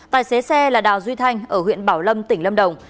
tài xế xe là đào duy thanh ở huyện bảo lâm tỉnh lâm đồng